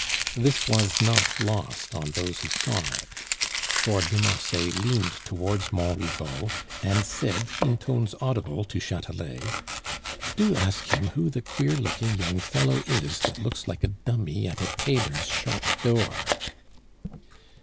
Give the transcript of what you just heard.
This was not lost on those who saw it; for de Marsay leaned towards Montriveau, and said in tones audible to Chatelet: "Do ask him who the queer looking young fellow is that looks like a dummy at a tailor's shop door."